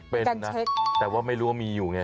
เป็นนะแต่ว่าไม่รู้ว่ามีอยู่ไง